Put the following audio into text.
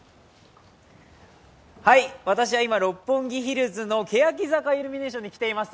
私は今、六本木ヒルズのけやき坂イルミネーションに来ています。